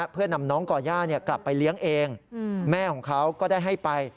เพื่อนำน้องก่อย่ากลับไปเลี้ยงเองแม่ของเขาก็ได้ให้ไป